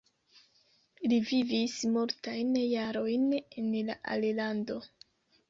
Li vivis multajn jarojn en la alilando.